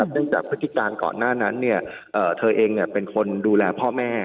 เนื่องจากพฤษภาคมก่อนหน้านั้นเธอเองเป็นคนดูแลพ่อแม่